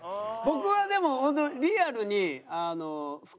僕はでも本当リアルに。